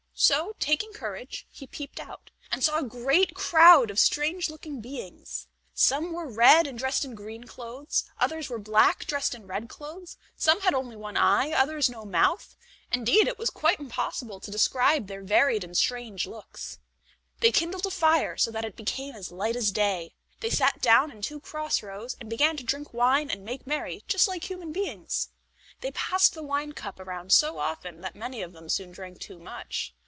So, taking courage, he peeped out, and saw a great crowd of strange looking beings. Some were red, and dressed in green clothes; others were black, and dressed in red clothes; some had only one eye; others had no mouth; indeed, it is quite impossible to describe their varied and strange looks. They kindled a fire, so that it became as light as day. They sat down in two cross rows, and began to drink wine and make merry just like human beings. They passed the wine cup around so often that many of them soon drank too much.